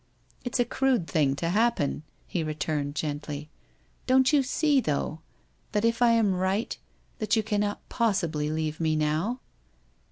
' It's a crude thing to happen,' he returned gently. ' Don't you see, though, that if I am right, that you cannot possibly leave me now?'